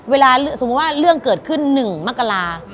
เวลาสมมุติว่าเรื่องเกิดขึ้น๑มกรา